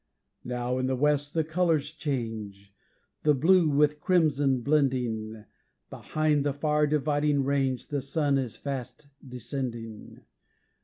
Now in the west the colours change, The blue with crimson blending; Behind the far Dividing Range, The sun is fast descending.